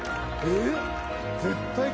えっ？